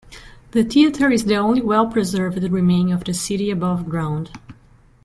The theatre is the only well-preserved remain of the city above ground.